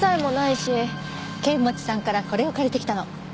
剣持さんからこれを借りてきたの。